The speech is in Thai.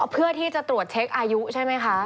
เพื่อที่จะตรวจเช็คอายุใช่ไหมคะ